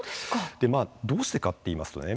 どうしてかって言いますとね